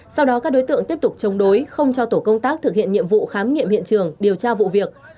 sau đó các đối tượng tiếp tục chống đối không cho tổ công tác thực hiện nhiệm vụ khám nghiệm hiện trường điều tra vụ việc